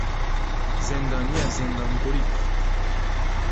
زندانی از زندان گریخت.